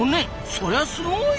そりゃすごい！